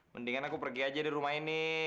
mendingan aku pergi aja di rumah ini